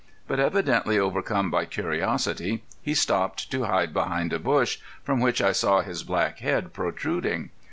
But evidently overcome by curiosity, he stopped to hide behind a bush, from which I saw his black head protruding.